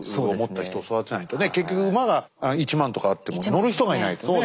結局馬が１万とかあっても乗る人がいないとね。